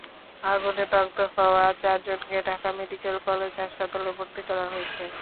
আগুনে দগ্ধ হওয়া চারজনকে ঢাকা মেডিকেল কলেজ হাসপাতালে ভর্তি করা হয়েছে।